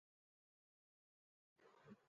এ কী অবহেলা কুমুদের?